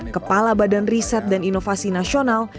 kepala badan riset dan inovasi nasional